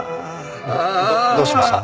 どどうしました？